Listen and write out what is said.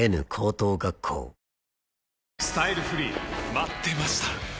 待ってました！